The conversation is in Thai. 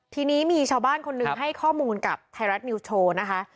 ทีนี้มีชาวบ้านคนหนึ่งให้ข้อมูลกับไทยรัฐนิวส์โชว์นะคะ